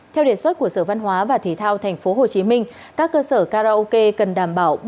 theo đề xuất của sở văn hóa và thể thao tp hcm các cơ sở karaoke cần đảm bảo